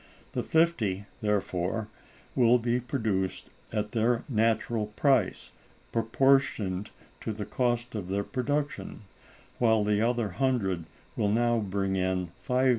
The fifty, therefore, will be produced at their natural price, proportioned to the cost of their production; while the other hundred will now bring in 5_s.